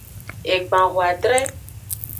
Egban hoadre.